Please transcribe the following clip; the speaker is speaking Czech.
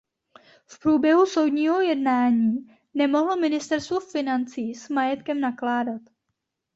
V průběhu soudního jednání nemohlo Ministerstvo financí s majetkem nakládat.